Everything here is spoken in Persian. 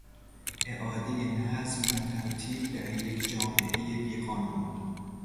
اعادهی نظم و ترتیب در یک جامعهی بیقانون